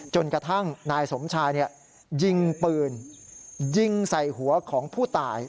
จนกระทั่งนายสมชายยิงปืนยิงใส่หัวของผู้ตาย